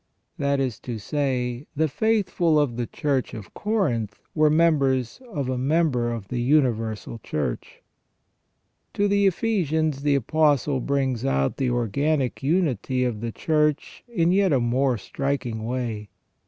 That is to say, the faithful of the Church of Corinth were members of a member of the universal Church. To the Ephesians the Apostle brings out the organic unity of the Church in a yet more striking way.